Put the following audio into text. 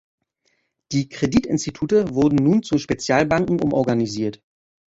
Die Kreditinstitute wurden nun zu Spezialbanken umorganisiert.